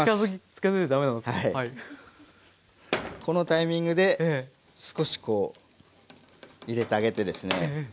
このタイミングで少しこう入れてあげてですね